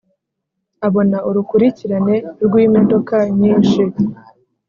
abona urukurikirane rw’imodoka nyinshi